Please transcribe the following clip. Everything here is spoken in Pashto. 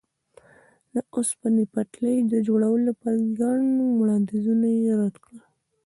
د اوسپنې پټلۍ د جوړولو لپاره ګڼ وړاندیزونه یې رد کړل.